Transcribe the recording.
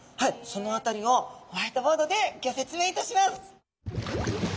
その辺りをホワイトボードでギョ説明いたします。